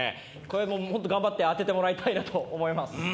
重岡君、本当に頑張って当ててもらいたいなと思いますね。